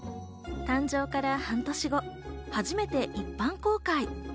誕生から半年後、初めて一般公開。